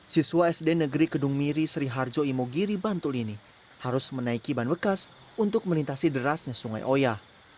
siswa sd negeri kedung miri sriharjo imogiri bantul ini harus menaiki ban bekas untuk melintasi derasnya sungai oya